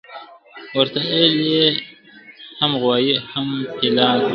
ورته اېل یې هم غوایي او هم پیلان کړل !.